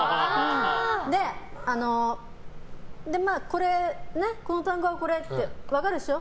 で、この単語はこれって分かるっしょ？